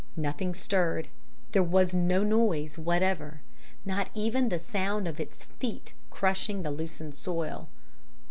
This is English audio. Nothing stirred; there was no noise whatever, not even the sound of its feet crushing the loosened soil.